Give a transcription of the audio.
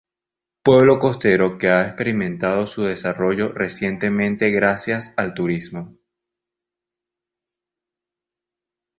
Pueblo costero, que ha experimentado su desarrollo recientemente gracias al turismo.